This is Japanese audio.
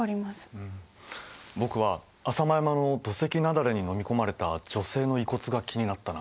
僕は浅間山の土石なだれにのみ込まれた女性の遺骨が気になったな。